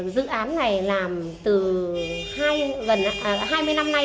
dự án này làm từ hai mươi năm nay